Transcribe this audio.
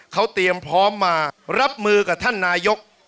เขาเตรียมพร้อมมารับมือกับท่านนายก